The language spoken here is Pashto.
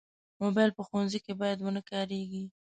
موبایل په ښوونځي کې باید ونه کارېږي.